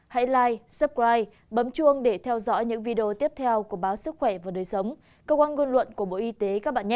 hẹn gặp lại các bạn trong những video tiếp theo của báo sức khỏe và đời sống cơ quan ngôn luận của bộ y tế